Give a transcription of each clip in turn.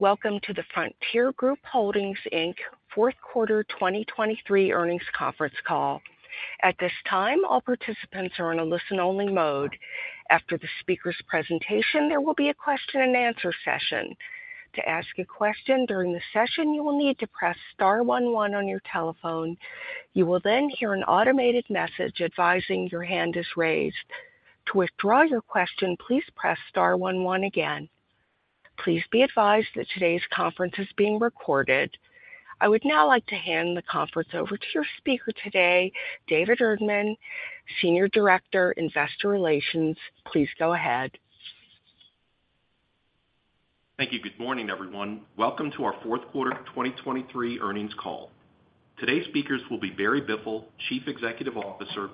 Welcome to the Frontier Group Holdings, Inc fourth quarter 2023 earnings conference call. At this time, all participants are in a listen-only mode. After the speaker's presentation, there will be a Q&A session. To ask a question during the session, you will need to press star one one on your telephone. You will then hear an automated message advising your hand is raised. To withdraw your question, please press star one one again. Please be advised that today's conference is being recorded. I would now like to hand the conference over to your speaker today, David Erdman, Senior Director, Investor Relations. Please go ahead. Thank you. Good morning, everyone. Welcome to our fourth quarter 2023 earnings call. Today's speakers will be Barry Biffle, Chief Executive Officer,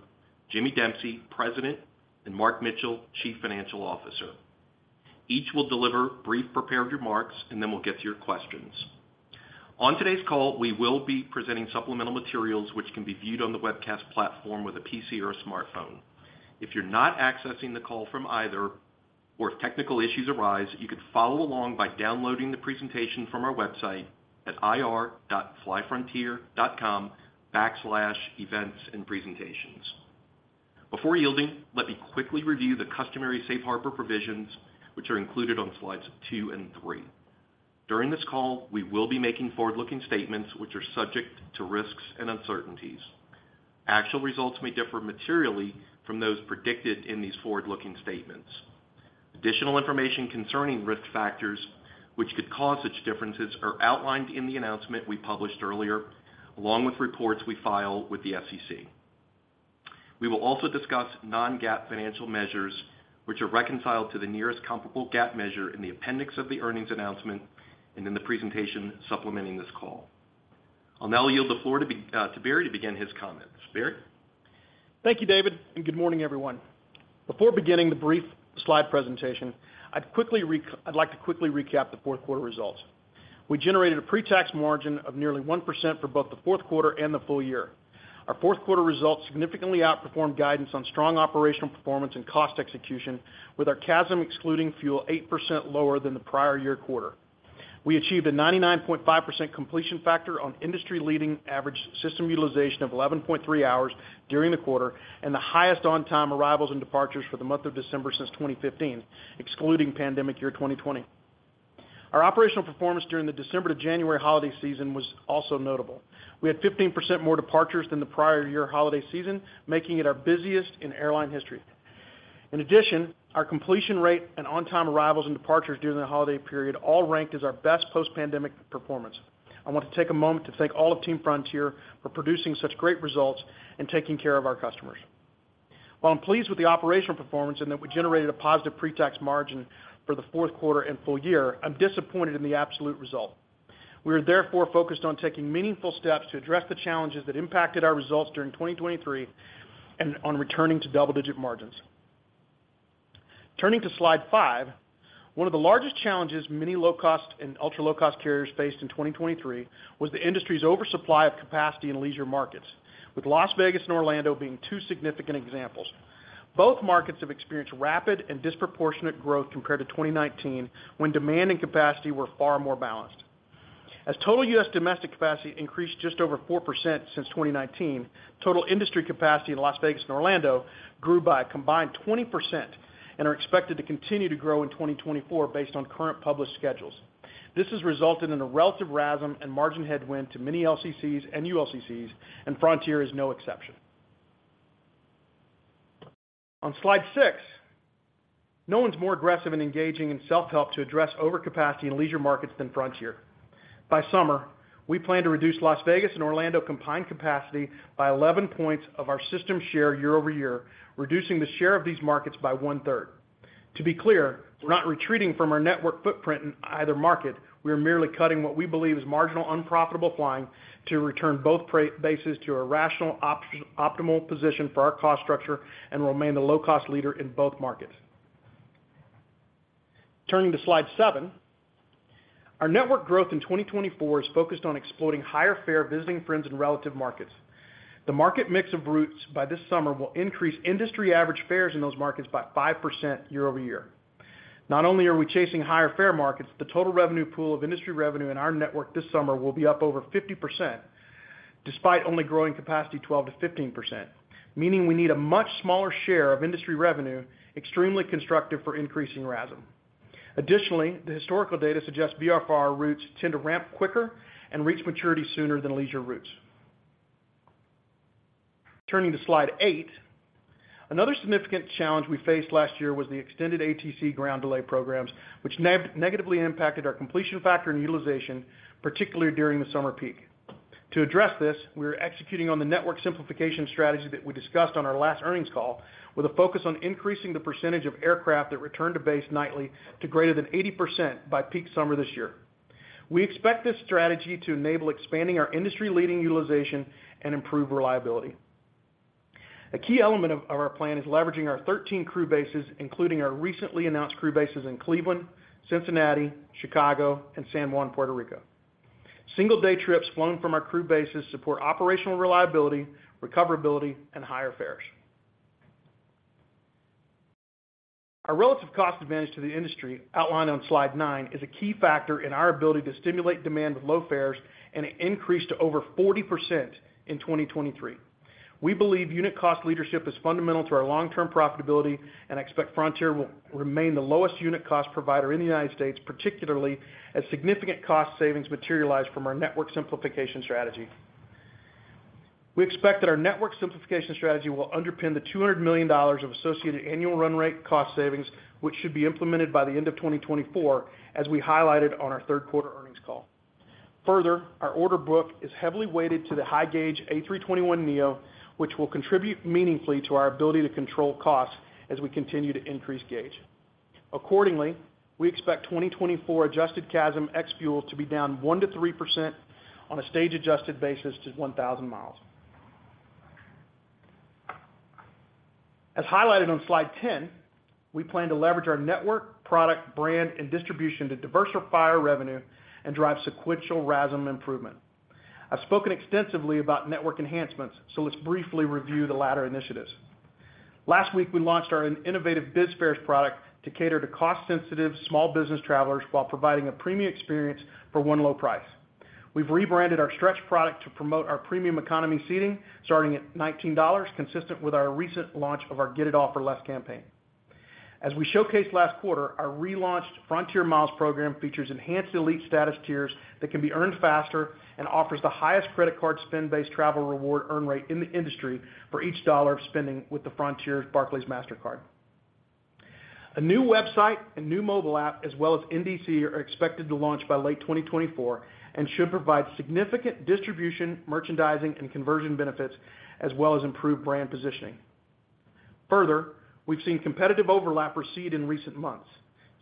Jimmy Dempsey, President, and Mark Mitchell, Chief Financial Officer. Each will deliver brief prepared remarks, and then we'll get to your questions. On today's call, we will be presenting supplemental materials, which can be viewed on the webcast platform with a PC or a smartphone. If you're not accessing the call from either, or if technical issues arise, you can follow along by downloading the presentation from our website at ir.flyfrontier.com/events-and-presentations. Before yielding, let me quickly review the customary safe harbor provisions, which are included on slides two and three. During this call, we will be making forward-looking statements which are subject to risks and uncertainties. Actual results may differ materially from those predicted in these forward-looking statements. Additional information concerning risk factors, which could cause such differences, are outlined in the announcement we published earlier, along with reports we file with the SEC. We will also discuss non-GAAP financial measures, which are reconciled to the nearest comparable GAAP measure in the appendix of the earnings announcement and in the presentation supplementing this call. I'll now yield the floor to Barry to begin his comments. Barry? Thank you, David, and good morning, everyone. Before beginning the brief slide presentation, I'd like to quickly recap the fourth quarter results. We generated a pre-tax margin of nearly 1% for both the fourth quarter and the full year. Our fourth quarter results significantly outperformed guidance on strong operational performance and cost execution, with our CASM excluding fuel 8% lower than the prior year quarter. We achieved a 99.5% completion factor on industry-leading average system utilization of 11.3 hours during the quarter and the highest on-time arrivals and departures for the month of December since 2015, excluding pandemic year 2020. Our operational performance during the December to January holiday season was also notable. We had 15% more departures than the prior year holiday season, making it our busiest in airline history. In addition, our completion rate and on-time arrivals and departures during the holiday period all ranked as our best post-pandemic performance. I want to take a moment to thank all of Team Frontier for producing such great results and taking care of our customers. While I'm pleased with the operational performance and that we generated a positive pre-tax margin for the fourth quarter and full year, I'm disappointed in the absolute result. We are therefore focused on taking meaningful steps to address the challenges that impacted our results during 2023 and on returning to double-digit margins. Turning to slide five, one of the largest challenges many low-cost and ultra-low-cost carriers faced in 2023 was the industry's oversupply of capacity in leisure markets, with Las Vegas and Orlando being two significant examples. Both markets have experienced rapid and disproportionate growth compared to 2019, when demand and capacity were far more balanced. As total U.S. domestic capacity increased just over 4% since 2019, total industry capacity in Las Vegas and Orlando grew by a combined 20% and are expected to continue to grow in 2024 based on current published schedules. This has resulted in a relative RASM and margin headwind to many LCCs and ULCCs, and Frontier is no exception. On Slide six, no one's more aggressive in engaging in self-help to address overcapacity in leisure markets than Frontier. By summer, we plan to reduce Las Vegas and Orlando combined capacity by 11 points of our system share year-over-year, reducing the share of these markets by one-third. To be clear, we're not retreating from our network footprint in either market. We are merely cutting what we believe is marginal, unprofitable flying to return both crew bases to a rational optimal position for our cost structure and remain the low-cost leader in both markets. Turning to slide seven, our network growth in 2024 is focused on exploiting higher fare, visiting friends and relatives markets. The market mix of routes by this summer will increase industry average fares in those markets by 5% year-over-year. Not only are we chasing higher fare markets, the total revenue pool of industry revenue in our network this summer will be up over 50%, despite only growing capacity 12%-15%, meaning we need a much smaller share of industry revenue, extremely constructive for increasing RASM. Additionally, the historical data suggests VFR routes tend to ramp quicker and reach maturity sooner than leisure routes. Turning to slide eight, another significant challenge we faced last year was the extended ATC ground delay programs, which negatively impacted our completion factor and utilization, particularly during the summer peak. To address this, we are executing on the network simplification strategy that we discussed on our last earnings call, with a focus on increasing the percentage of aircraft that return to base nightly to greater than 80% by peak summer this year. We expect this strategy to enable expanding our industry-leading utilization and improve reliability. A key element of our plan is leveraging our 13 crew bases, including our recently announced crew bases in Cleveland, Cincinnati, Chicago, and San Juan, Puerto Rico. Single-day trips flown from our crew bases support operational reliability, recoverability, and higher fares. Our relative cost advantage to the industry, outlined on slide nine, is a key factor in our ability to stimulate demand with low fares and it increased to over 40% in 2023. We believe unit cost leadership is fundamental to our long-term profitability, and I expect Frontier will remain the lowest unit cost provider in the United States, particularly as significant cost savings materialize from our network simplification strategy. We expect that our network simplification strategy will underpin the $200 million of associated annual run rate cost savings, which should be implemented by the end of 2024, as we highlighted on our third quarter earnings call. Further, our order book is heavily weighted to the high gauge A321neo, which will contribute meaningfully to our ability to control costs as we continue to increase gauge. Accordingly, we expect 2024 adjusted CASM ex fuel to be down 1%-3% on a stage-adjusted basis to 1,000 miles. As highlighted on slide 10, we plan to leverage our network, product, brand, and distribution to diversify our revenue and drive sequential RASM improvement. I've spoken extensively about network enhancements, so let's briefly review the latter initiatives. Last week, we launched our innovative BizFare product to cater to cost-sensitive small business travelers while providing a premium experience for one low price. We've rebranded our Stretch product to promote our premium economy seating, starting at $19, consistent with our recent launch of our Get It All For Less campaign. As we showcased last quarter, our relaunched Frontier Miles program features enhanced elite status tiers that can be earned faster and offers the highest credit card spend-based travel reward earn rate in the industry for each dollar of spending with the Frontier Barclays Mastercard. A new website and new mobile app, as well as NDC, are expected to launch by late 2024 and should provide significant distribution, merchandising, and conversion benefits, as well as improved brand positioning. Further, we've seen competitive overlap recede in recent months.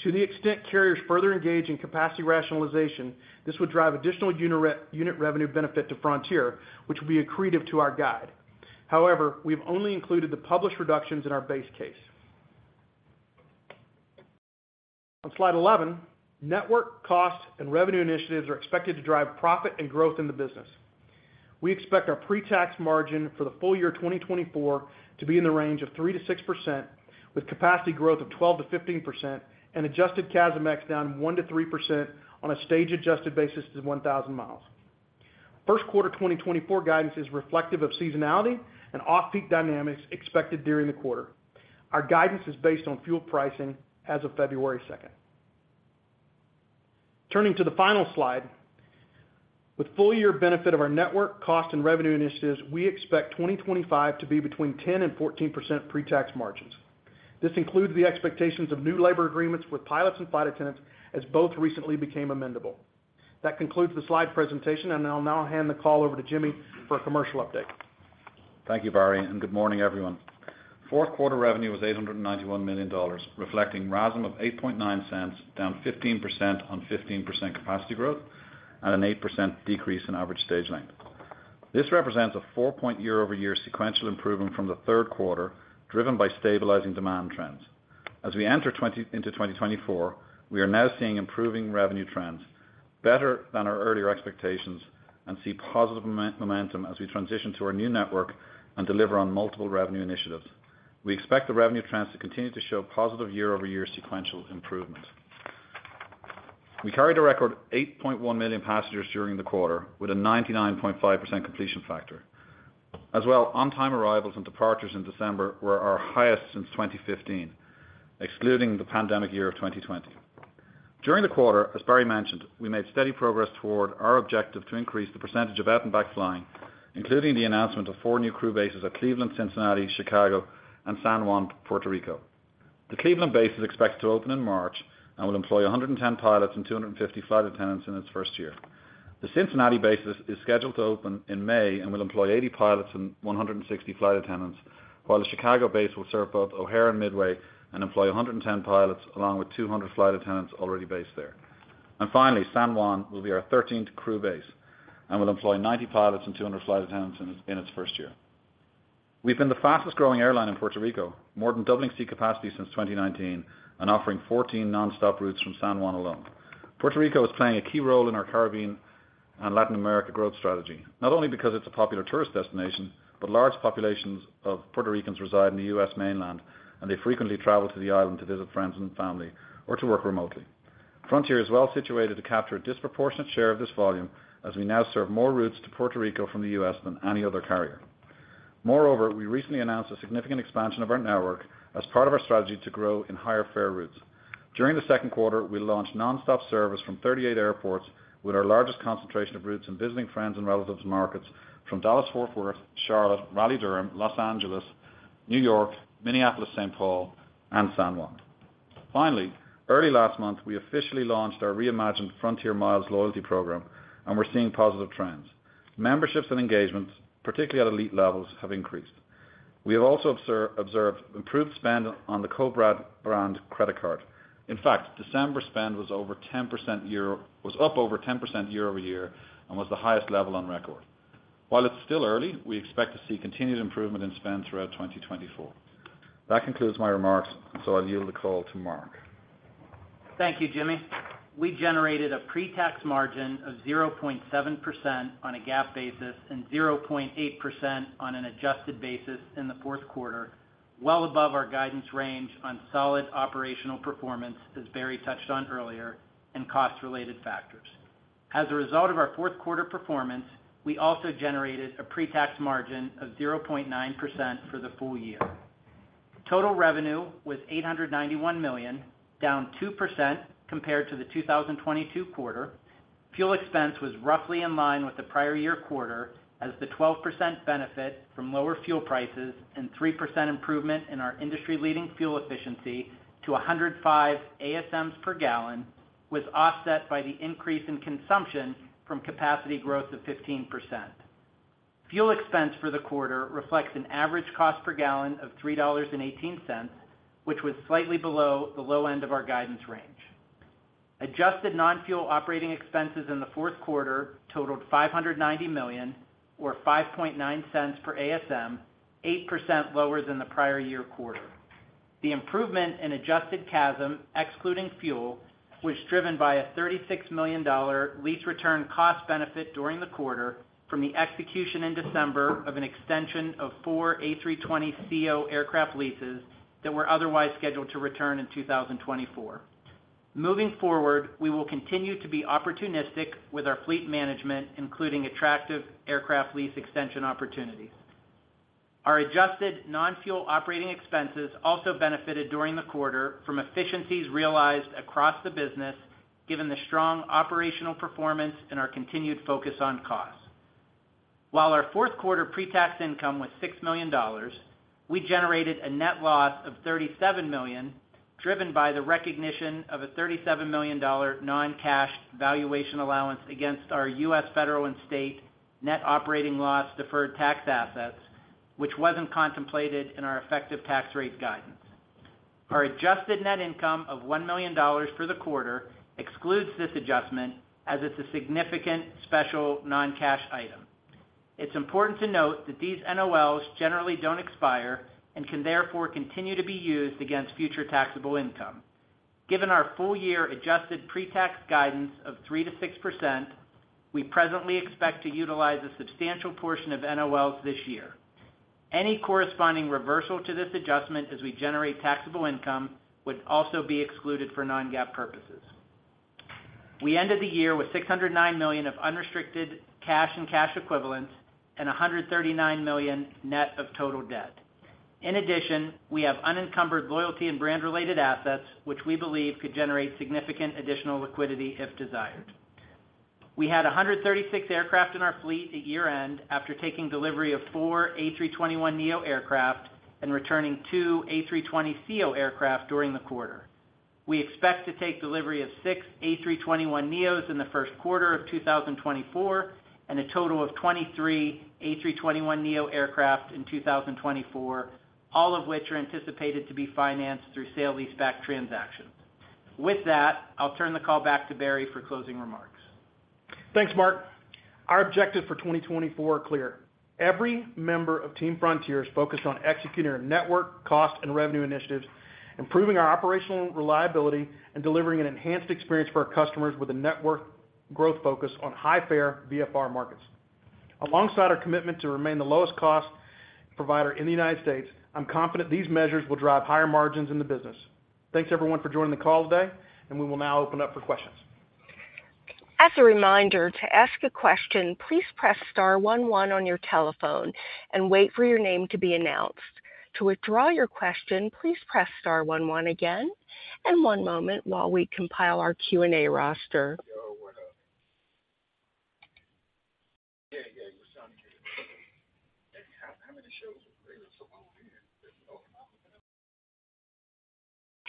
To the extent carriers further engage in capacity rationalization, this would drive additional unit revenue benefit to Frontier, which will be accretive to our guide. However, we've only included the published reductions in our base case. On slide 11, network, cost, and revenue initiatives are expected to drive profit and growth in the business. We expect our pre-tax margin for the full year 2024 to be in the range of 3%-6%, with capacity growth of 12%-15% and adjusted CASM ex down 1%-3% on a stage-adjusted basis to 1,000 miles. First quarter 2024 guidance is reflective of seasonality and off-peak dynamics expected during the quarter. Our guidance is based on fuel pricing as of February 2nd. Turning to the final slide. With full year benefit of our network, cost, and revenue initiatives, we expect 2025 to be between 10% and 14% pre-tax margins. This includes the expectations of new labor agreements with pilots and flight attendants, as both recently became amendable. That concludes the slide presentation, and I'll now hand the call over to Jimmy for a commercial update. Thank you, Barry, and good morning, everyone. Fourth quarter revenue was $891 million, reflecting RASM of$0.089, down 15% on 15% capacity growth and an 8% decrease in average stage length. This represents a four-point year-over-year sequential improvement from the third quarter, driven by stabilizing demand trends. As we enter 2024, we are now seeing improving revenue trends, better than our earlier expectations, and see positive momentum as we transition to our new network and deliver on multiple revenue initiatives. We expect the revenue trends to continue to show positive year-over-year sequential improvement. We carried a record 8.1 million passengers during the quarter, with a 99.5% completion factor. As well, on-time arrivals and departures in December were our highest since 2015, excluding the pandemic year of 2020. During the quarter, as Barry mentioned, we made steady progress toward our objective to increase the percentage of out-and-back flying, including the announcement of four new crew bases at Cleveland, Cincinnati, Chicago, and San Juan, Puerto Rico. The Cleveland base is expected to open in March and will employ 110 pilots and 250 flight attendants in its first year. The Cincinnati base is scheduled to open in May and will employ 80 pilots and 160 flight attendants, while the Chicago base will serve both O'Hare and Midway and employ 110 pilots, along with 200 flight attendants already based there. Finally, San Juan will be our 13th crew base and will employ 90 pilots and 200 flight attendants in its first year. We've been the fastest growing airline in Puerto Rico, more than doubling seat capacity since 2019 and offering 14 nonstop routes from San Juan alone. Puerto Rico is playing a key role in our Caribbean and Latin America growth strategy, not only because it's a popular tourist destination, but, large populations of Puerto Ricans reside in the U.S. mainland, and they frequently travel to the island to visit friends and family or to work remotely. Frontier is well-situated to capture a disproportionate share of this volume, as we now serve more routes to Puerto Rico from the U.S. than any other carrier. Moreover, we recently announced a significant expansion of our network as part of our strategy to grow in higher fare routes. During the second quarter, we launched nonstop service from 38 airports, with our largest concentration of routes in visiting friends and relatives markets from Dallas-Fort Worth, Charlotte, Raleigh/Durham, Los Angeles, New York, Minneapolis-Saint Paul, and San Juan. Finally, early last month, we officially launched our reimagined Frontier Miles loyalty program, and we're seeing positive trends. Memberships and engagements, particularly at elite levels, have increased. We have also observed improved spend on the co-branded credit card. In fact, December spend was over 10% year... was up over 10% year-over-year and was the highest level on record. While it's still early, we expect to see continued improvement in spend throughout 2024. That concludes my remarks, and so I'll yield the call to Mark. Thank you, Jimmy. We generated a pre-tax margin of 0.7% on a GAAP basis and 0.8% on an adjusted basis in the fourth quarter, well above our guidance range on solid operational performance, as Barry touched on earlier, and cost-related factors. As a result of our fourth quarter performance, we also generated a pre-tax margin of 0.9% for the full year. Total revenue was $891 million, down 2% compared to the 2022 quarter. Fuel expense was roughly in line with the prior year quarter, as the 12% benefit from lower fuel prices and 3% improvement in our industry-leading fuel efficiency to 105 ASMs per gallon, was offset by the increase in consumption from capacity growth of 15%. Fuel expense for the quarter reflects an average cost per gallon of $3.18, which was slightly below the low end of our guidance range. Adjusted non-fuel operating expenses in the fourth quarter totaled $590 million, or 5.9 cents per ASM, 8% lower than the prior year quarter. The improvement in adjusted CASM, excluding fuel, was driven by a $36 million lease return cost benefit during the quarter from the execution in December of an extension of four A320ceo aircraft leases that were otherwise scheduled to return in 2024. Moving forward, we will continue to be opportunistic with our fleet management, including attractive aircraft lease extension opportunities. Our adjusted non-fuel operating expenses also benefited during the quarter from efficiencies realized across the business, given the strong operational performance and our continued focus on costs. While our fourth quarter pre-tax income was $6 million, we generated a net loss of $37 million, driven by the recognition of a $37 million non-cash valuation allowance against our U.S. federal and state net operating loss deferred tax assets, which wasn't contemplated in our effective tax rate guidance. Our adjusted net income of $1 million for the quarter excludes this adjustment as it's a significant special non-cash item. It's important to note that these NOLs generally don't expire and can therefore continue to be used against future taxable income. Given our full year adjusted pre-tax guidance of 3%-6%, we presently expect to utilize a substantial portion of NOLs this year. Any corresponding reversal to this adjustment as we generate taxable income, would also be excluded for non-GAAP purposes. We ended the year with $609 million of unrestricted cash and cash equivalents and $139 million net of total debt. In addition, we have unencumbered loyalty and brand-related assets, which we believe could generate significant additional liquidity if desired. We had 136 aircraft in our fleet at year-end, after taking delivery of four A321neo aircraft and returning two A320ceo aircraft during the quarter. We expect to take delivery of six A321neos in the first quarter of 2024, and a total of 23 A321neo aircraft in 2024, all of which are anticipated to be financed through sale leaseback transactions. With that, I'll turn the call back to Barry for closing remarks. Thanks, Mark. Our objectives for 2024 are clear: Every member of Team Frontier is focused on executing our network, cost, and revenue initiatives, improving our operational reliability, and delivering an enhanced experience for our customers with a network growth focus on high fare VFR markets. Alongside our commitment to remain the lowest cost provider in the United States, I'm confident these measures will drive higher margins in the business. Thanks, everyone, for joining the call today, and we will now open up for questions. As a reminder, to ask a question, please press star one one on your telephone and wait for your name to be announced. To withdraw your question, please press star one one again, and one moment while we compile our Q&A roster.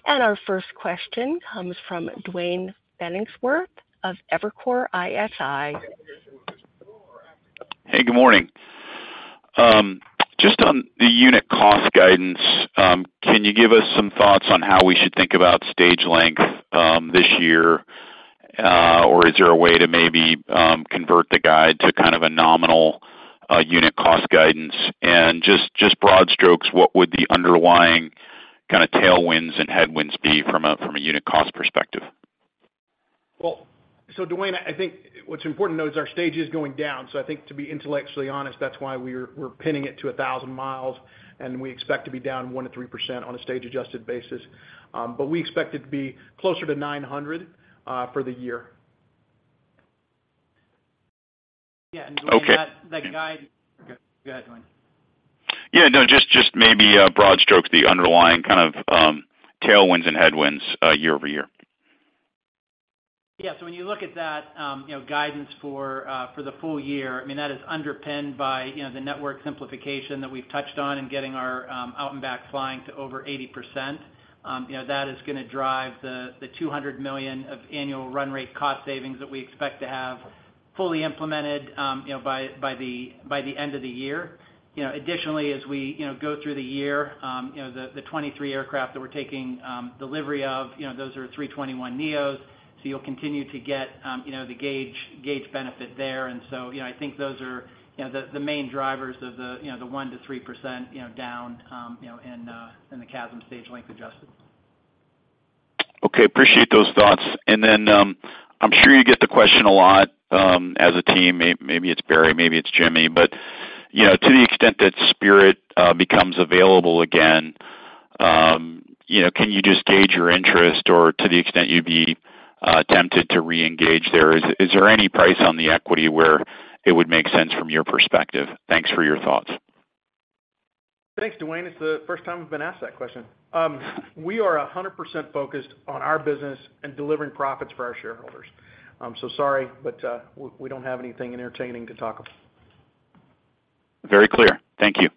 Our first question comes from Duane Pfennigwerth of Evercore ISI. Hey, good morning. Just on the unit cost guidance, can you give us some thoughts on how we should think about stage length, this year? Or is there a way to maybe, convert the guide to kind of a nominal, unit cost guidance? And just, just broad strokes, what would the underlying kinda tailwinds and headwinds be from a, from a unit cost perspective? Well, so Duane, I think what's important to note is our stage is going down. So I think to be intellectually honest, that's why we're pinning it to 1,000 miles, and we expect to be down 1%-3% on a stage-adjusted basis. But we expect it to be closer to 900 for the year. Yeah, and Duane, that guide... Go ahead, Duane. Yeah, no, just maybe broad strokes, the underlying kind of tailwinds and headwinds year-over-year. Yeah. So when you look at that, you know, guidance for for the full year, I mean, that is underpinned by, you know, the network simplification that we've touched on and getting our out-and-back flying to over 80%. You know, that is gonna drive the $200 million of annual run rate cost savings that we expect to have fully implemented, you know, by by the by the end of the year. You know, additionally, as we, you know, go through the year, you know, the the 23 aircraft that we're taking delivery of, you know, those are A321neos. So you'll continue to get, you know, the gauge benefit there. And so, you know, I think those are, you know, the main drivers of the, you know, the 1%-3% down, you know, in the CASM stage length adjusted. Okay, appreciate those thoughts. Then, I'm sure you get the question a lot, as a team. Maybe it's Barry, maybe it's Jimmy. But you know, to the extent that Spirit becomes available again, you know, can you just gauge your interest or to the extent you'd be tempted to reengage there? Is there any price on the equity where it would make sense from your perspective? Thanks for your thoughts. Thanks, Duane. It's the first time we've been asked that question. We are 100% focused on our business and delivering profits for our shareholders. So sorry, but we don't have anything entertaining to talk about. Very clear. Thank you.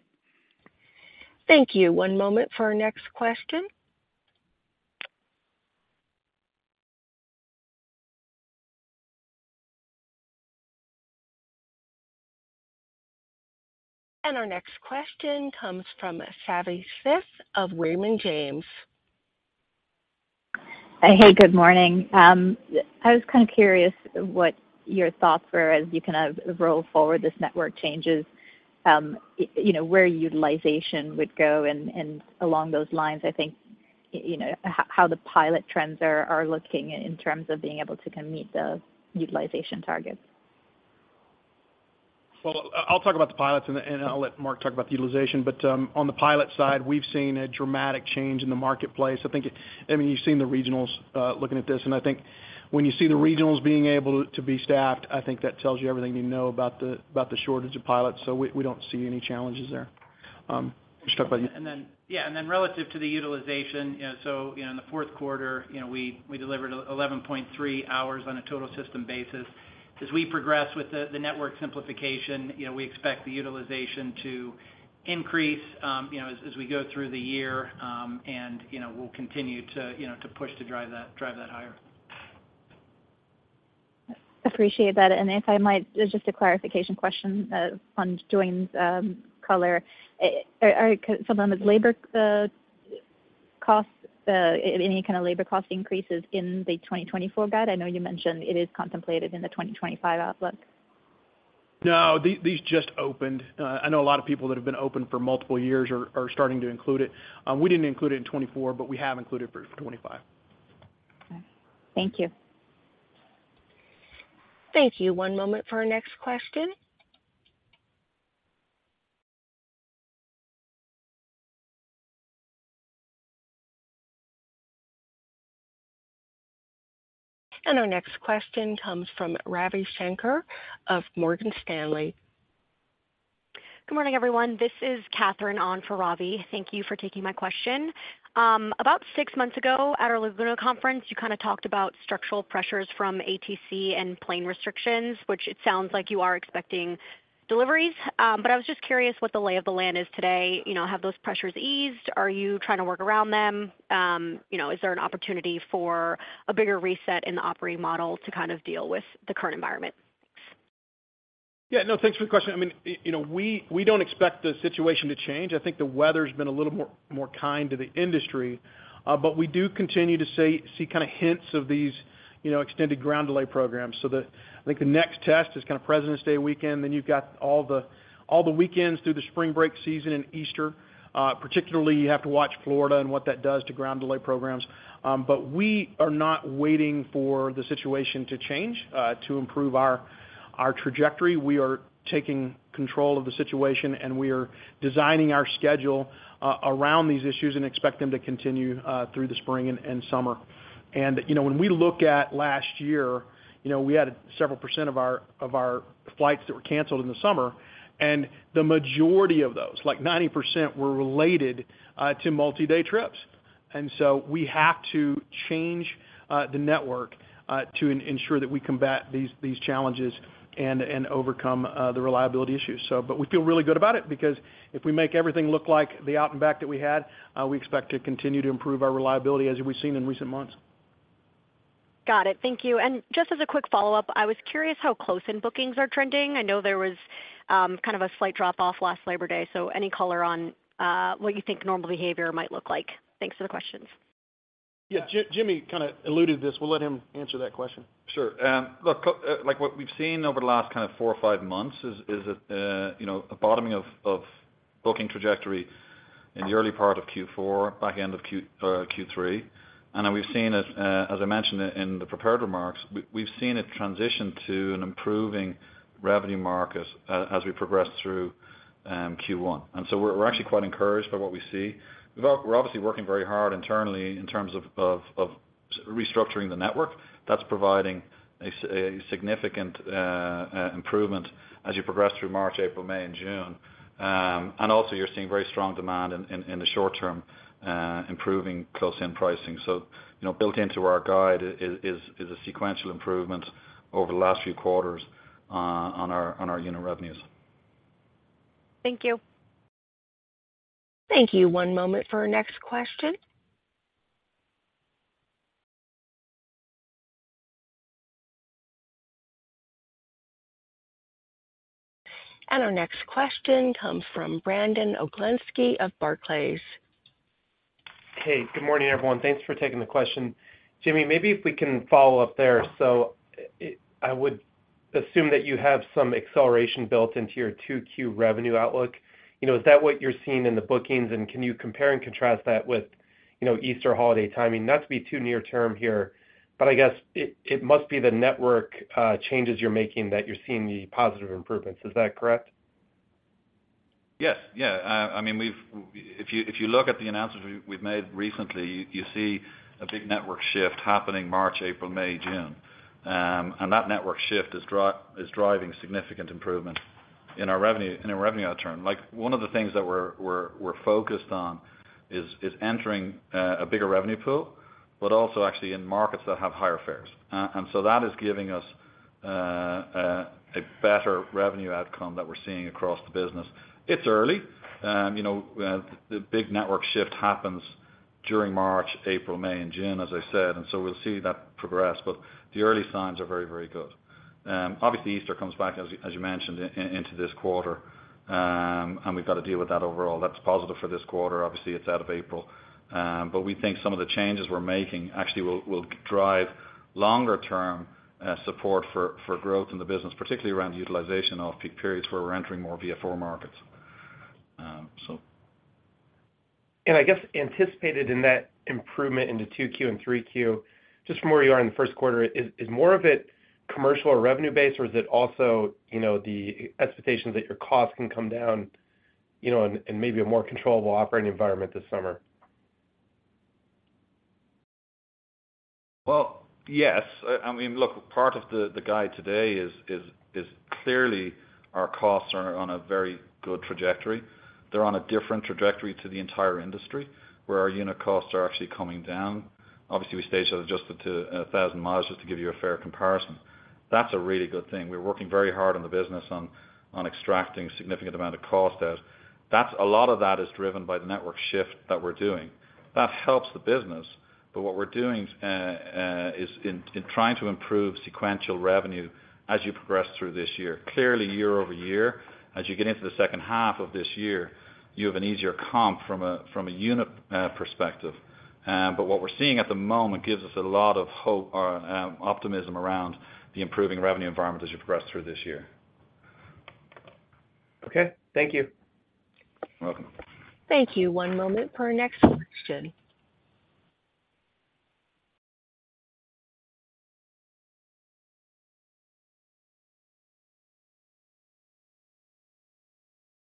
Thank you. One moment for our next question. Our next question comes from Savi Syth of Raymond James. Hey, good morning. I was kind of curious what your thoughts were as you kind of roll forward this network changes, you know, where utilization would go, and along those lines, I think, you know, how the pilot trends are looking in terms of being able to kind of meet the utilization targets. Well, I'll talk about the pilots, and I'll let Mark talk about the utilization. But on the pilot side, we've seen a dramatic change in the marketplace. I think, I mean, you've seen the regionals looking at this, and I think when you see the regionals being able to be staffed, I think that tells you everything you know about the shortage of pilots. So we don't see any challenges there. You start by you. Relative to the utilization, you know, in the fourth quarter, you know, we delivered 11.3 hours on a total system basis. As we progress with the network simplification, you know, we expect the utilization to increase, you know, as we go through the year, and, you know, we'll continue to, you know, to push to drive that higher. Appreciate that. And if I might, just a clarification question on Duane's color. Are some of the labor costs any kind of labor cost increases in the 2024 guide? I know you mentioned it is contemplated in the 2025 outlook. No, these, these just opened. I know a lot of people that have been open for multiple years are, are starting to include it. We didn't include it in 2024, but we have included it for 2025. Okay. Thank you. Thank you. One moment for our next question. Our next question comes from Ravi Shanker of Morgan Stanley. Good morning, everyone. This is Katherine on for Ravi. Thank you for taking my question. About six months ago, at our Laguna Conference, you kind of talked about structural pressures from ATC and plane restrictions, which it sounds like you are expecting deliveries. But I was just curious what the lay of the land is today. You know, have those pressures eased? Are you trying to work around them? You know, is there an opportunity for a bigger reset in the operating model to kind of deal with the current environment? Yeah. No, thanks for the question. I mean, you know, we don't expect the situation to change. I think the weather's been a little more kind to the industry, but we do continue to see kind of hints of these, you know, extended ground delay programs. So I think the next test is kind of President's Day weekend, then you've got all the weekends through the spring break season and Easter. Particularly, you have to watch Florida and what that does to ground delay programs. But we are not waiting for the situation to change to improve our trajectory. We are taking control of the situation, and we are designing our schedule around these issues and expect them to continue through the spring and summer. You know, when we look at last year, you know, we had several percent of our, of our flights that were canceled in the summer, and the majority of those, like 90%, were related to multi-day trips. So we have to change the network to ensure that we combat these, these challenges and, and overcome the reliability issues. But we feel really good about it, because if we make everything look like the out and back that we had, we expect to continue to improve our reliability as we've seen in recent months. Got it. Thank you. Just as a quick follow-up, I was curious how close-in bookings are trending. I know there was kind of a slight drop-off last Labor Day, so any color on what you think normal behavior might look like? Thanks for the questions. Yeah, Jimmy kind of alluded to this. We'll let him answer that question. Sure. Look, like what we've seen over the last kind of four or five months is a you know a bottoming of booking trajectory in the early part of Q4, back end of Q3. And then we've seen it, as I mentioned in the prepared remarks, we've seen it transition to an improving revenue market as we progress through Q1. And so we're actually quite encouraged by what we see. We're obviously working very hard internally in terms of restructuring the network. That's providing a significant improvement as you progress through March, April, May, and June. And also, you're seeing very strong demand in the short term, improving close-in pricing. You know, built into our guide is a sequential improvement over the last few quarters on our unit revenues. Thank you. Thank you. One moment for our next question. Our next question comes from Brandon Oglenski of Barclays. Hey, good morning, everyone. Thanks for taking the question. Jimmy, maybe if we can follow up there. So I would assume that you have some acceleration built into your 2Q revenue outlook. You know, is that what you're seeing in the bookings? And can you compare and contrast that with, you know, Easter holiday timing? Not to be too near term here, but I guess it, it must be the network changes you're making that you're seeing the positive improvements. Is that correct? Yes. Yeah, I mean, if you look at the announcements we've made recently, you see a big network shift happening March, April, May, June. And that network shift is driving significant improvement in our revenue, in our revenue return. Like, one of the things that we're focused on is entering a bigger revenue pool, but also actually in markets that have higher fares. And so that is giving us a better revenue outcome that we're seeing across the business. It's early. You know, the big network shift happens during March, April, May, and June, as I said, and so we'll see that progress, but the early signs are very, very good. Obviously, Easter comes back, as you mentioned, into this quarter, and we've got to deal with that overall. That's positive for this quarter. Obviously, it's out of April. But we think some of the changes we're making actually will drive longer-term support for growth in the business, particularly around the utilization of peak periods where we're entering more VFR markets. I guess anticipated in that improvement into 2Q and 3Q, just from where you are in the first quarter, is, is more of it commercial or revenue-based, or is it also, you know, the expectations that your costs can come down, you know, and, and maybe a more controllable operating environment this summer? Well, yes. I mean, look, part of the guide today is clearly our costs are on a very good trajectory. They're on a different trajectory to the entire industry, where our unit costs are actually coming down. Obviously, we staged it adjusted to 1,000 miles just to give you a fair comparison. That's a really good thing. We're working very hard on the business on extracting significant amount of cost out. That's a lot of that is driven by the network shift that we're doing. That helps the business, but what we're doing is in trying to improve sequential revenue as you progress through this year. Clearly, year over year, as you get into the second half of this year, you have an easier comp from a unit perspective. But what we're seeing at the moment gives us a lot of hope or optimism around the improving revenue environment as you progress through this year. Okay, thank you. You're welcome. Thank you. One moment for our next question.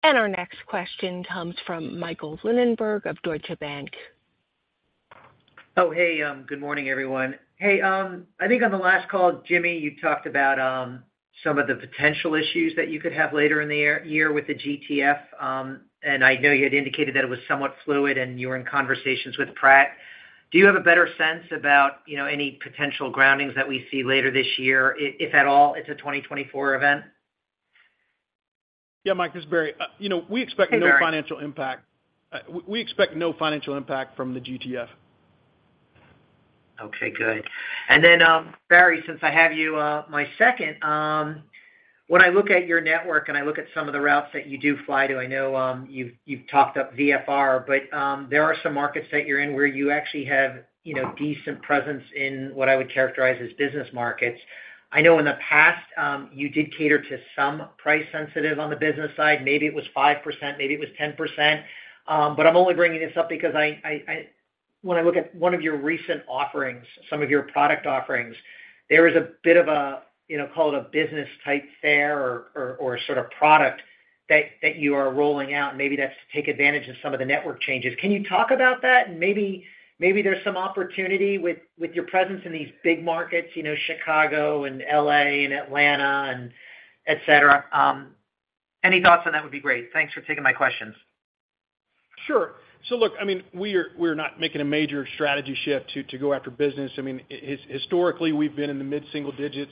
Our next question comes from Michael Linenberg of Deutsche Bank. Oh, hey, good morning, everyone. Hey, I think on the last call, Jimmy, you talked about some of the potential issues that you could have later in the year with the GTF, and I know you had indicated that it was somewhat fluid and you were in conversations with Pratt. Do you have a better sense about, you know, any potential groundings that we see later this year, if at all, it's a 2024 event? Yeah, Mike, this is Barry. You know, we expect- Hey, Barry. No financial impact. We expect no financial impact from the GTF. Okay, good. And then, Barry, since I have you, my second, when I look at your network and I look at some of the routes that you do fly to, I know you've talked up VFR, but there are some markets that you're in where you actually have, you know, decent presence in what I would characterize as business markets. I know in the past you did cater to some price-sensitive on the business side. Maybe it was 5%, maybe it was 10%, but I'm only bringing this up because I... When I look at one of your recent offerings, some of your product offerings, there is a bit of a, you know, call it a business-type fare or, or, or sort of product that, that you are rolling out, maybe that's to take advantage of some of the network changes. Can you talk about that? And maybe, maybe there's some opportunity with, with your presence in these big markets, you know, Chicago and L.A. and Atlanta and et cetera. Any thoughts on that would be great. Thanks for taking my questions. Sure. So look, I mean, we're not making a major strategy shift to go after business. I mean, historically, we've been in the mid-single digits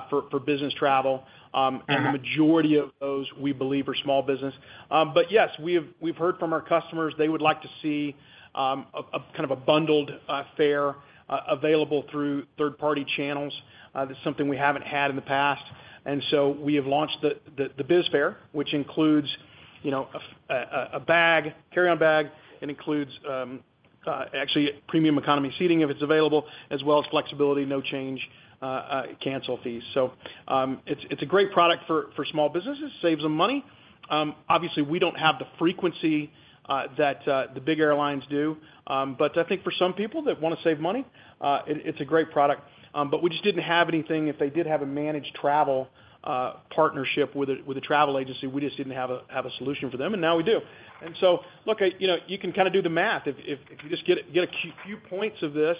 for business travel, and the majority of those, we believe, are small business. But yes, we've heard from our customers they would like to see a kind of bundled fare available through third-party channels. That's something we haven't had in the past. And so we have launched the BizFare, which includes, you know, a bag, carry-on bag, and includes actually premium economy seating, if it's available, as well as flexibility, no change, cancel fees. So, it's a great product for small businesses, saves them money. Obviously, we don't have the frequency that the big airlines do, but I think for some people that want to save money, it's a great product. But we just didn't have anything if they did have a managed travel partnership with a travel agency. We just didn't have a solution for them, and now we do. So look, you know, you can kind of do the math. If you just get a few points of this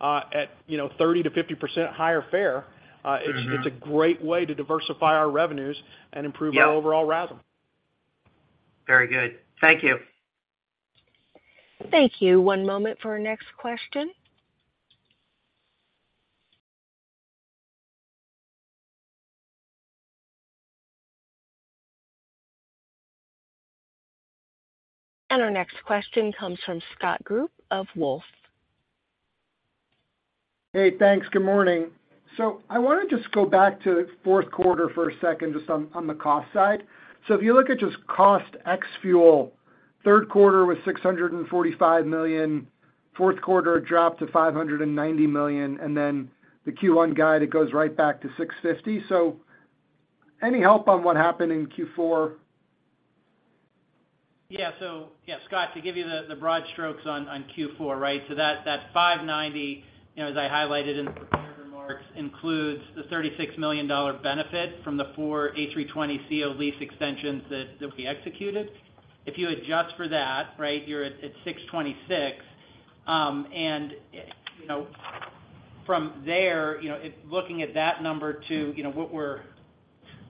at 30%-50% higher fare, Mm-hmm... it's a great way to diversify our revenues and improve- Yeah Our overall RASM. Very good. Thank you. Thank you. One moment for our next question... Our next question comes from Scott Group of Wolfe. Hey, thanks. Good morning. So I wanna just go back to fourth quarter for a second, just on the cost side. So if you look at just cost ex fuel, third quarter was $645 million, fourth quarter, it dropped to $590 million, and then the Q1 guide, it goes right back to $650 million. So any help on what happened in Q4? Yeah. So, yeah, Scott, to give you the broad strokes on Q4, right? So that $590 million, you know, as I highlighted in the prepared remarks, includes the $36 million benefit from the four A320ceo lease extensions that we executed. If you adjust for that, right, you're at $626 million. And, you know, from there, you know, if looking at that number to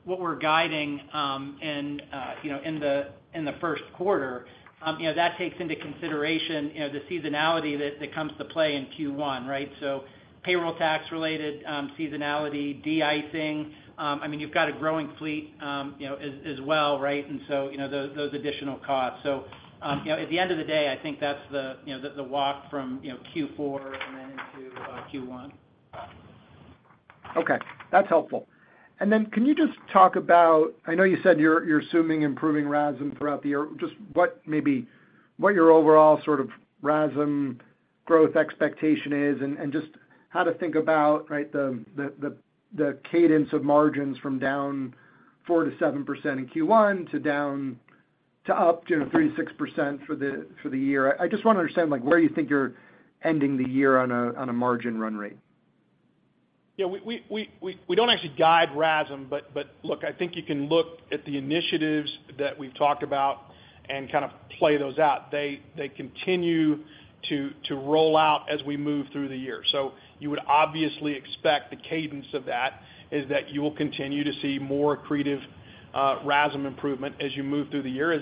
what we're guiding in the first quarter, you know, that takes into consideration the seasonality that comes to play in Q1, right? So payroll tax related seasonality, de-icing, I mean, you've got a growing fleet, you know, as well, right? And so, you know, those additional costs. So, you know, at the end of the day, I think that's the walk from, you know, Q4 and then into Q1. Okay, that's helpful. And then can you just talk about... I know you said you're assuming improving RASM throughout the year, just what, maybe, your overall sort of RASM growth expectation is, and just how to think about, right, the cadence of margins from down 4%-7% in Q1, to down to up, you know, 3%-6% for the year. I just wanna understand, like, where you think you're ending the year on a margin run rate. Yeah, we don't actually guide RASM, but look, I think you can look at the initiatives that we've talked about and kind of play those out. They continue to roll out as we move through the year. So you would obviously expect the cadence of that is that you will continue to see more accretive RASM improvement as you move through the year,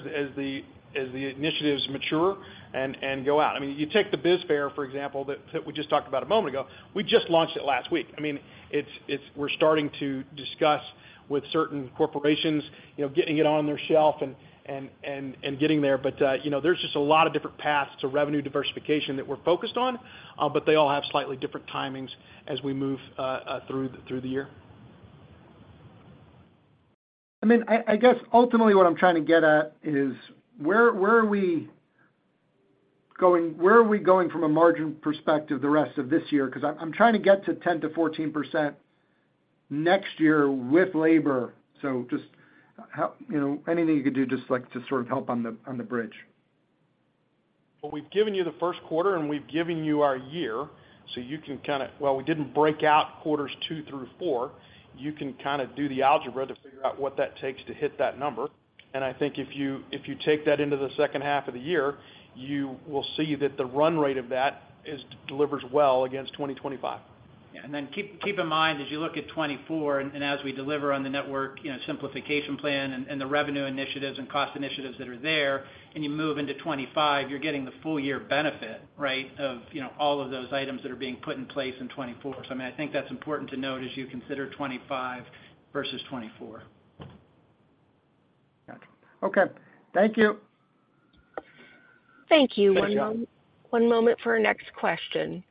as the initiatives mature and go out. I mean, you take the BizFare, for example, that we just talked about a moment ago. We just launched it last week. I mean, it's we're starting to discuss with certain corporations, you know, getting it on their shelf and getting there. But, you know, there's just a lot of different paths to revenue diversification that we're focused on, but they all have slightly different timings as we move through the year. I mean, I guess ultimately what I'm trying to get at is: where are we going from a margin perspective the rest of this year? 'Cause I'm trying to get to 10%-14% next year with labor. So just how... You know, anything you could do just, like, to sort of help on the, on the bridge. Well, we've given you the first quarter, and we've given you our year, so you can kinda... While we didn't break out quarters two through four, you can kinda do the algebra to figure out what that takes to hit that number. And I think if you, if you take that into the second half of the year, you will see that the run rate of that is, delivers well against 2025. Yeah, and then keep in mind, as you look at 2024, and as we deliver on the network, you know, simplification plan and the revenue initiatives and cost initiatives that are there, and you move into 2025, you're getting the full year benefit, right, of, you know, all of those items that are being put in place in 2024. So, I mean, I think that's important to note as you consider 2025 versus 2024. Gotcha. Okay. Thank you! Thank you. Thanks, y'all. One moment, one moment for our next question.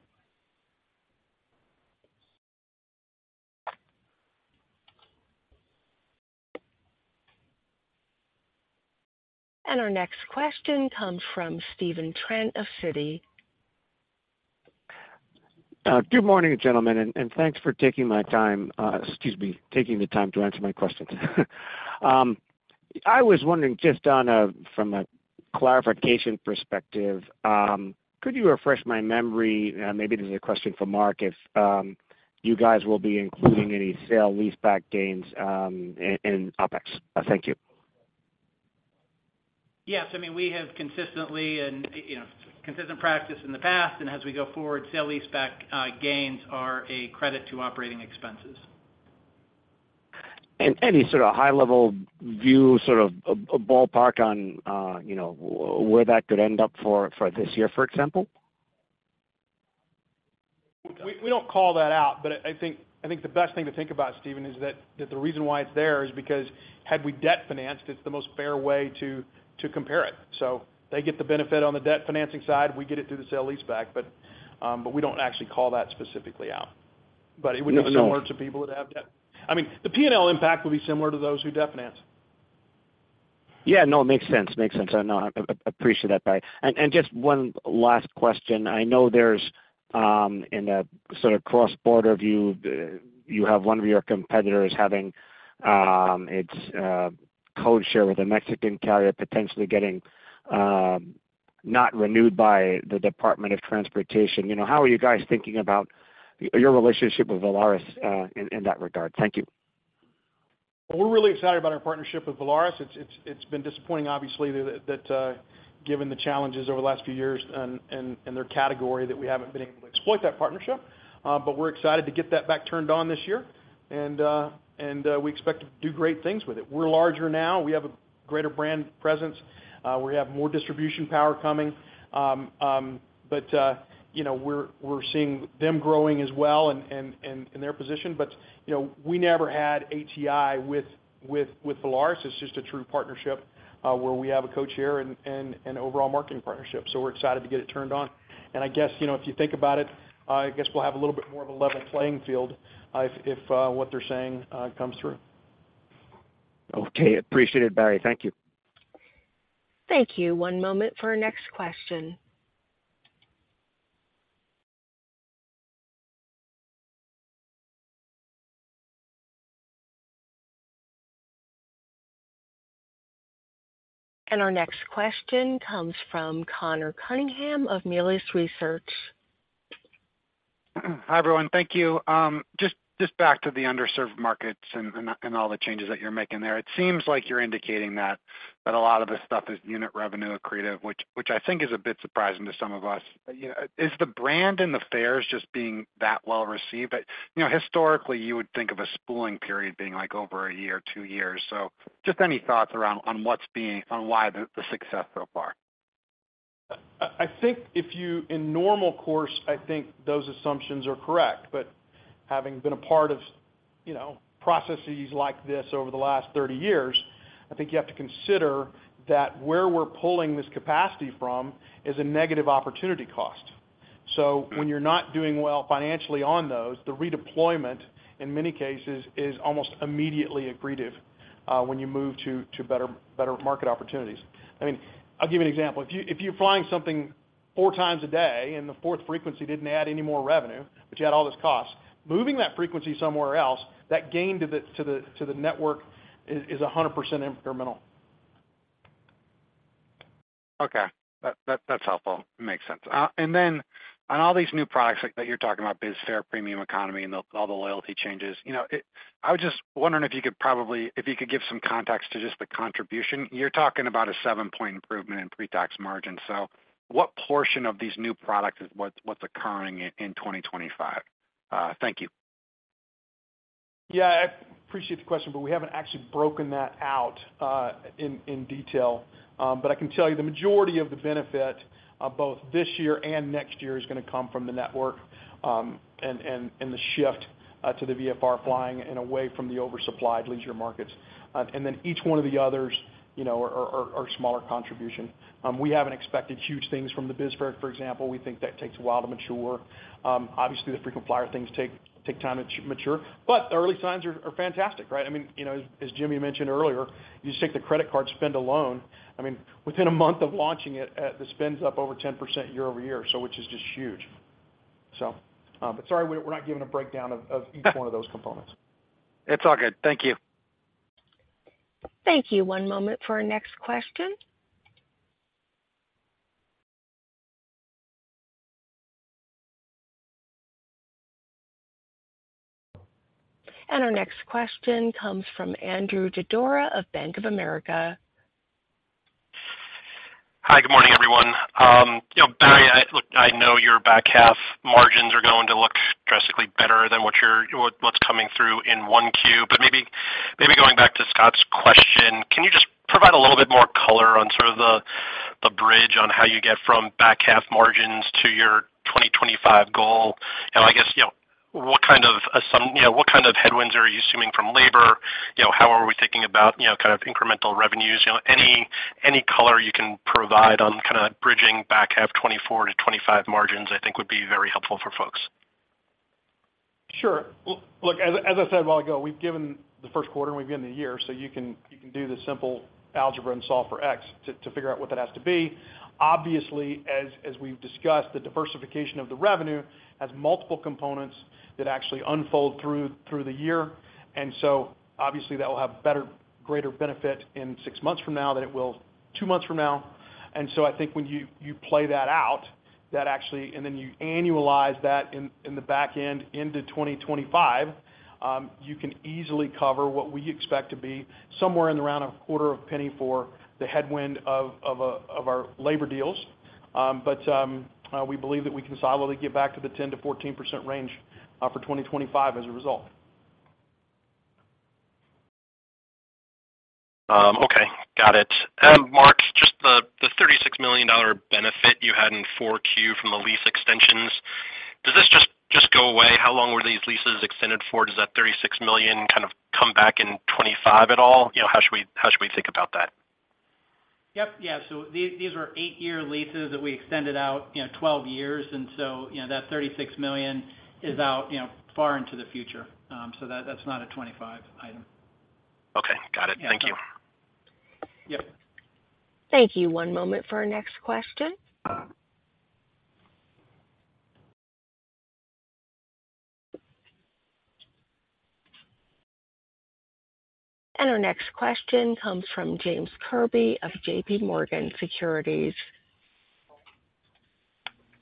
Our next question comes from Stephen Trent of Citi. Good morning, gentlemen, and thanks for taking my time, excuse me, taking the time to answer my questions. I was wondering, from a clarification perspective, could you refresh my memory, maybe this is a question for Mark, if you guys will be including any sale-leaseback gains in OpEx? Thank you. Yes. I mean, we have consistently and, you know, consistent practice in the past, and as we go forward, sale-leaseback gains are a credit to operating expenses. Any sort of high-level view, sort of a ballpark on, you know, where that could end up for this year, for example? We don't call that out, but I think the best thing to think about, Stephen, is that the reason why it's there is because had we debt financed, it's the most fair way to compare it. So they get the benefit on the debt financing side, we get it through the sale leaseback, but we don't actually call that specifically out. But it would be similar to people that have debt. I mean, the P&L impact would be similar to those who debt finance. Yeah, no, it makes sense. Makes sense. No, I appreciate that. And just one last question. I know there's in a sort of cross-border view, you have one of your competitors having its code-share with a Mexican carrier potentially getting not renewed by the Department of Transportation. You know, how are you guys thinking about your relationship with Volaris in that regard? Thank you. We're really excited about our partnership with Volaris. It's been disappointing, obviously, given the challenges over the last few years and their category, that we haven't been able to exploit that partnership. But we're excited to get that back turned on this year, and we expect to do great things with it. We're larger now. We have greater brand presence. We have more distribution power coming. But you know, we're seeing them growing as well in their position. But you know, we never had ATI with Volaris. It's just a true partnership where we have a codeshare and overall marketing partnership. So we're excited to get it turned on. I guess, you know, if you think about it, I guess we'll have a little bit more of a level playing field if, if, what they're saying, comes through. Okay, appreciate it, Barry. Thank you. Thank you. One moment for our next question. Our next question comes from Conor Cunningham of Melius Research. Hi, everyone. Thank you. Just back to the underserved markets and all the changes that you're making there, it seems like you're indicating that a lot of this stuff is unit revenue accretive, which I think is a bit surprising to some of us. You know, is the brand and the fares just being that well received? But, you know, historically, you would think of a spooling period being, like, over a year, two years. So just any thoughts around on what's being on why the success so far? I think if you, in normal course, I think those assumptions are correct. But having been a part of, you know, processes like this over the last 30 years, I think you have to consider that where we're pulling this capacity from is a negative opportunity cost. So when you're not doing well financially on those, the redeployment, in many cases, is almost immediately accretive, when you move to better market opportunities. I mean, I'll give you an example. If you're flying something four times a day, and the fourth frequency didn't add any more revenue, but you had all this cost, moving that frequency somewhere else, that gain to the network is 100% incremental. Okay. That, that's helpful. Makes sense. And then on all these new products that you're talking about, BizFare, premium economy and the all the loyalty changes, you know, I was just wondering if you could probably, if you could give some context to just the contribution. You're talking about a seven-point improvement in pre-tax margin. So what portion of these new products is what's occurring in 2025? Thank you. Yeah, I appreciate the question, but we haven't actually broken that out in detail. But I can tell you the majority of the benefit both this year and next year is gonna come from the network and the shift to the VFR flying and away from the oversupplied leisure markets. And then each one of the others, you know, are smaller contribution. We haven't expected huge things from the BizFare, for example. We think that takes a while to mature. Obviously, the frequent flyer things take time to mature, but the early signs are fantastic, right? I mean, you know, as Jimmy mentioned earlier, you just take the credit card spend alone, I mean, within a month of launching it, the spend's up over 10% year-over-year, so which is just huge. So, but sorry, we're not giving a breakdown of each one of those components. It's all good. Thank you. Thank you. One moment for our next question. Our next question comes from Andrew Didora of Bank of America. Hi, good morning, everyone. You know, Barry, look, I know your back half margins are going to look drastically better than what's coming through in 1Q. But maybe going back to Scott's question, can you just provide a little bit more color on sort of the bridge on how you get from back half margins to your 2025 goal? And I guess, you know, what kind of headwinds are you assuming from labor? You know, how are we thinking about, you know, kind of incremental revenues? You know, any color you can provide on kind of bridging back half 2024 to 2025 margins, I think would be very helpful for folks. Sure. Well, look, as I, as I said a while ago, we've given the first quarter and we've given the year, so you can, you can do the simple algebra and solve for X to, to figure out what that has to be. Obviously, as, as we've discussed, the diversification of the revenue has multiple components that actually unfold through, through the year, and so obviously, that will have better, greater benefit in six months from now than it will two months from now. And so I think when you, you play that out, that actually, and then you annualize that in, in the back end into 2025, you can easily cover what we expect to be somewhere in the round of $0.0025 for the headwind of, of, of our labor deals. We believe that we can solidly get back to the 10%-14% range for 2025 as a result. Okay, got it. Mark, just the $36 million benefit you had in 4Q from the lease extensions, does this just go away? How long were these leases extended for? Does that $36 million kind of come back in 2025 at all? You know, how should we think about that? Yep. Yeah, so these were 8-year leases that we extended out, you know, 12 years. And so, you know, that $36 million is out, you know, far into the future. So that, that's not a 25 item. Okay, got it. Thank you. Yep. Thank you. One moment for our next question. Our next question comes from James Kirby of JP Morgan Securities.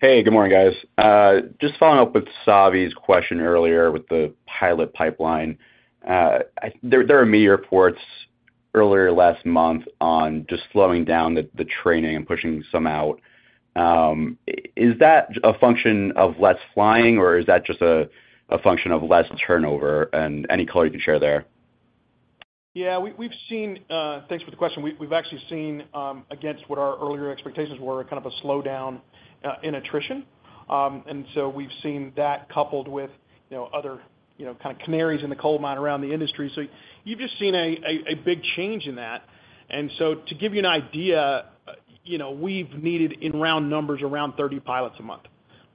Hey, good morning, guys. Just following up with Savi's question earlier with the pilot pipeline. There are media reports earlier last month on just slowing down the training and pushing some out. Is that a function of less flying, or is that just a function of less turnover? And any color you can share there?... Yeah, we've seen, thanks for the question. We've actually seen, against what our earlier expectations were, kind of a slowdown in attrition. And so we've seen that coupled with, you know, other, you know, kind of canaries in the coal mine around the industry. So you've just seen a big change in that. And so to give you an idea, you know, we've needed, in round numbers, around 30 pilots a month,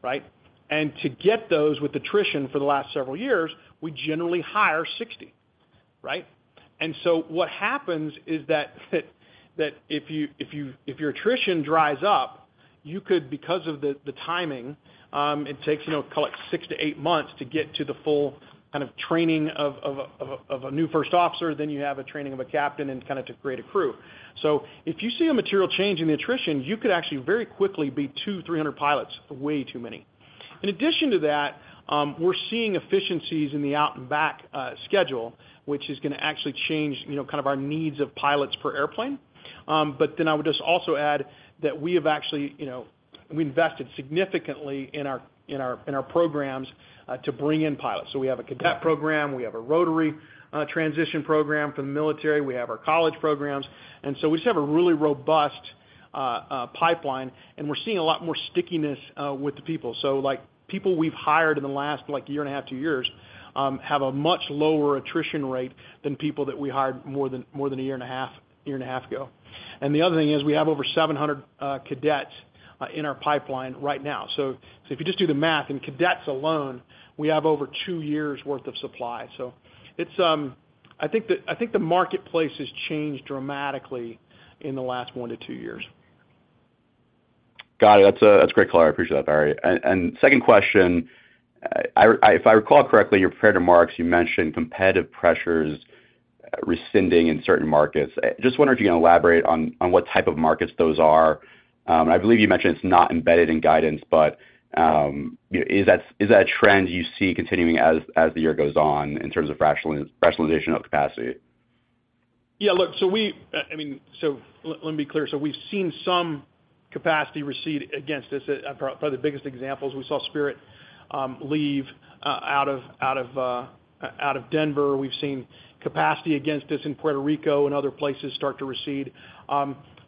right? And to get those with attrition for the last several years, we generally hire 60, right? And so what happens is that if you if your attrition dries up, you could, because of the timing, it takes, you know, call it 6-8 months to get to the full kind of training of a new first officer, then you have a training of a captain and kind of to create a crew. So if you see a material change in the attrition, you could actually very quickly be 200-300 pilots, way too many. In addition to that, we're seeing efficiencies in the out-and-back schedule, which is gonna actually change, you know, kind of our needs of pilots per airplane. But then I would just also add that we have actually, you know, we invested significantly in our programs to bring in pilots. So we have a cadet program, we have a rotary transition program for the military, we have our college programs, and so we just have a really robust pipeline, and we're seeing a lot more stickiness with the people. So, like, people we've hired in the last, like, year and a half, two years, have a much lower attrition rate than people that we hired more than a year and a half ago. And the other thing is we have over 700 cadets in our pipeline right now. So if you just do the math, in cadets alone, we have over two years worth of supply. So it's, I think the marketplace has changed dramatically in the last one to two years. Got it. That's, that's great clarity. I appreciate that, Barry. Second question, if I recall correctly, your prepared remarks, you mentioned competitive pressures receding in certain markets. Just wondering if you can elaborate on what type of markets those are. I believe you mentioned it's not embedded in guidance, but, you know, is that a trend you see continuing as the year goes on in terms of rationalization of capacity? Yeah, look, so we, I mean, so let me be clear. So we've seen some capacity recede against us. Probably the biggest examples, we saw Spirit leave out of Denver. We've seen capacity against us in Puerto Rico and other places start to recede.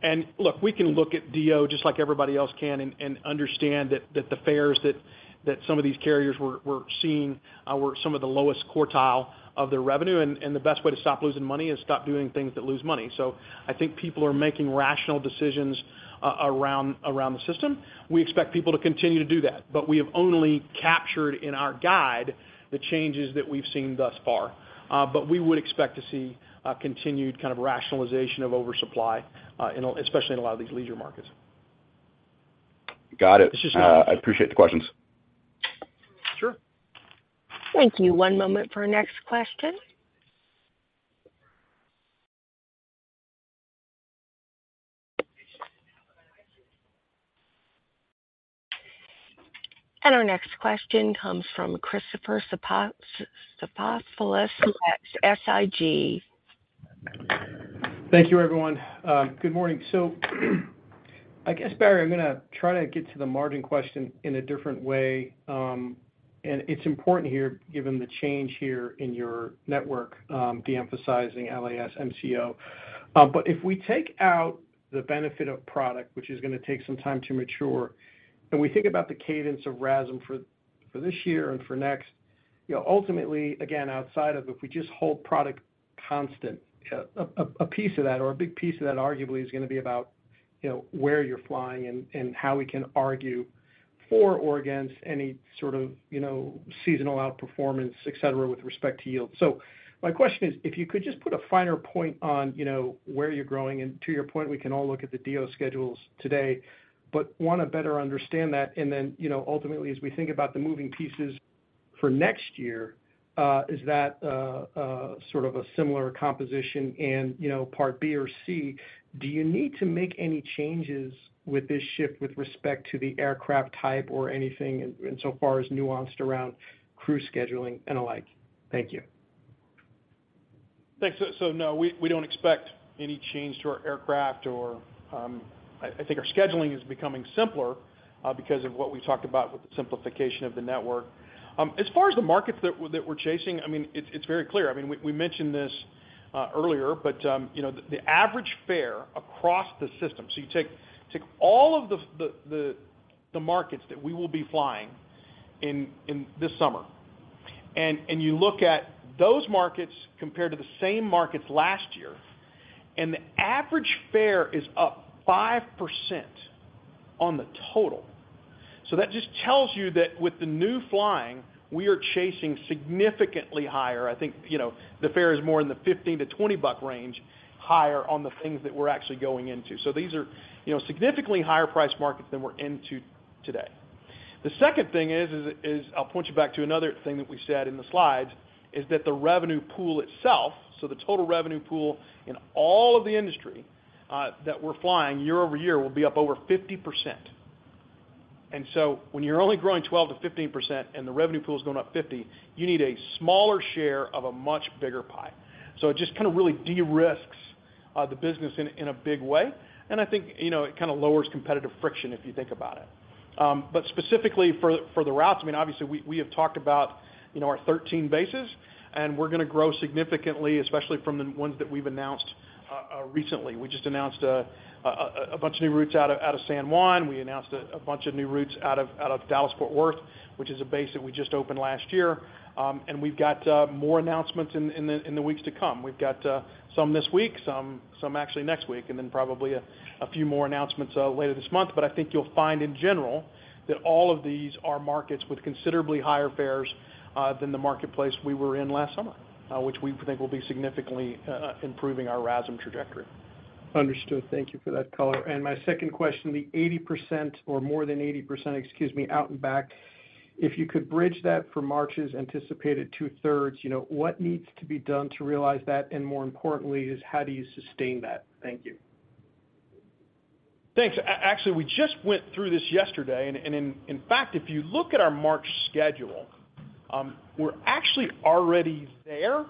And look, we can look at DOT just like everybody else can and understand that the fares that some of these carriers were seeing were some of the lowest quartile of their revenue, and the best way to stop losing money is stop doing things that lose money. So I think people are making rational decisions around the system. We expect people to continue to do that, but we have only captured in our guide the changes that we've seen thus far. We would expect to see a continued kind of rationalization of oversupply, especially in a lot of these leisure markets. Got it. It's just- I appreciate the questions. Sure. Thank you. One moment for our next question. Our next question comes from Christopher Stathoulopoulos at SIG. Thank you, everyone. Good morning. So I guess, Barry, I'm gonna try to get to the margin question in a different way. And it's important here, given the change here in your network, deemphasizing LAS MCO. But if we take out the benefit of product, which is gonna take some time to mature, and we think about the cadence of RASM for this year and for next, you know, ultimately, again, outside of if we just hold product constant, a piece of that or a big piece of that arguably is gonna be about, you know, where you're flying and how we can argue for or against any sort of, you know, seasonal outperformance, et cetera, with respect to yield. My question is, if you could just put a finer point on, you know, where you're growing, and to your point, we can all look at the DOT schedules today, but wanna better understand that. Then, you know, ultimately, as we think about the moving pieces for next year, is that sort of a similar composition? You know, part B or C, do you need to make any changes with this shift with respect to the aircraft type or anything, insofar as nuanced around crew scheduling and the like? Thank you. Thanks. So no, we don't expect any change to our aircraft or... I think our scheduling is becoming simpler, because of what we talked about with the simplification of the network. As far as the markets that we're chasing, I mean, it's very clear. I mean, we mentioned this earlier, but, you know, the average fare across the system, so you take all of the markets that we will be flying in this summer, and you look at those markets compared to the same markets last year, and the average fare is up 5% on the total. So that just tells you that with the new flying, we are chasing significantly higher. I think, you know, the fare is more in the $15-$20 buck range, higher on the things that we're actually going into. So these are, you know, significantly higher priced markets than we're into today. The second thing is, I'll point you back to another thing that we said in the slides, is that the revenue pool itself, so the total revenue pool in all of the industry, that we're flying year-over-year, will be up over 50%. And so when you're only growing 12%-15% and the revenue pool is going up 50, you need a smaller share of a much bigger pie. So it just kind of really de-risks the business in a big way, and I think, you know, it kind of lowers competitive friction, if you think about it. But specifically for the routes, I mean, obviously, we have talked about, you know, our 13 bases, and we're gonna grow significantly, especially from the ones that we've announced recently. We just announced a bunch of new routes out of San Juan. We announced a bunch of new routes out of Dallas-Fort Worth, which is a base that we just opened last year. And we've got more announcements in the weeks to come. We've got some this week, some actually next week, and then probably a few more announcements later this month. But I think you'll find in general that all of these are markets with considerably higher fares than the marketplace we were in last summer, which we think will be significantly improving our RASM trajectory. Understood. Thank you for that color. And my second question, the 80% or more than 80%, excuse me, out and back, if you could bridge that for March's anticipated two-thirds, you know, what needs to be done to realize that? And more importantly, is how do you sustain that? Thank you. Thanks. Actually, we just went through this yesterday, and in fact, if you look at our March schedule, we're actually already there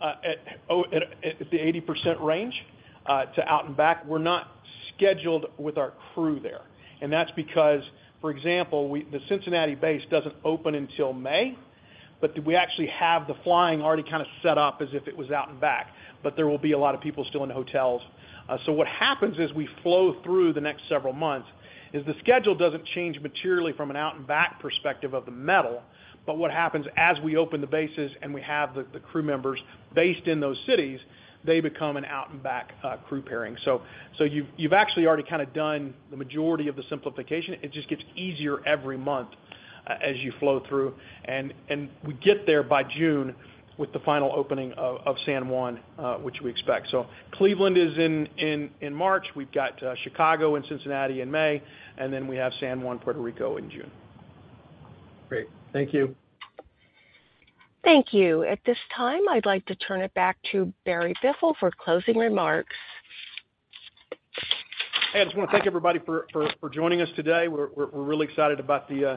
at the 80% range to out and back. We're not scheduled with our crew there, and that's because, for example, the Cincinnati base doesn't open until May, but we actually have the flying already kind of set up as if it was out and back, but there will be a lot of people still in the hotels. So what happens is, we flow through the next several months, is the schedule doesn't change materially from an out and back perspective of the metal. But what happens as we open the bases and we have the crew members based in those cities, they become an out and back crew pairing. So, you've actually already kind of done the majority of the simplification. It just gets easier every month as you flow through, and we get there by June with the final opening of San Juan, which we expect. So Cleveland is in March. We've got Chicago and Cincinnati in May, and then we have San Juan, Puerto Rico in June. Great. Thank you. Thank you. At this time, I'd like to turn it back to Barry Biffle for closing remarks. Hey, I just wanna thank everybody for joining us today. We're really excited about the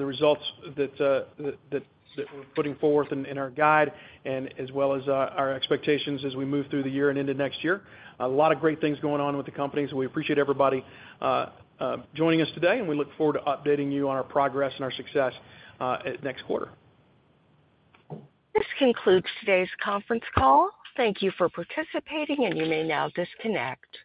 results that we're putting forth in our guide and as well as our expectations as we move through the year and into next year. A lot of great things going on with the company, so we appreciate everybody joining us today, and we look forward to updating you on our progress and our success at next quarter. This concludes today's conference call. Thank you for participating, and you may now disconnect.